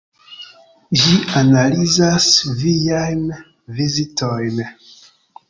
Ĝi analizas viajn vizitojn.